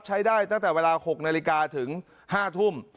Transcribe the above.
ใช้ได้ตั้งแต่เวลา๖นาฬิกาถึง๕ทุ่ม